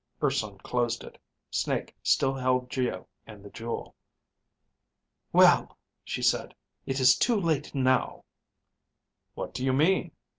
Urson closed it. Snake still held Geo and the jewel. "Well," she said. "It is too late now." "What do you mean?"